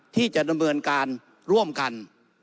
ที่จะดำเนินการร่วมกัน